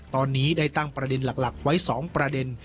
ตอนนี้ได้ตั้งประเด็นหลักไว้๒ประเด็น